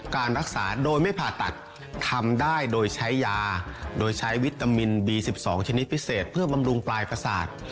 การรักษาโดยไม่ผ่าตัดทำได้โดยใช้ยาโดยใช้วิตามินบี๑๒ชนิดพิเศษเพื่อบำรุงปลายประสาท